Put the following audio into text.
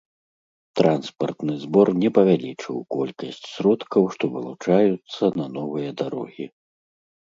Транспартны збор не павялічыў колькасць сродкаў, што вылучаюцца на новыя дарогі.